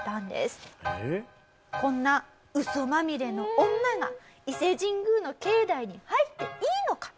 こんなウソまみれの女が伊勢神宮の境内に入っていいのか？